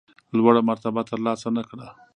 لوړه مرتبه ترلاسه نه کړه.